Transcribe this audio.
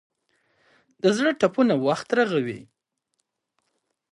د زړه ټپونه وخت رغوي.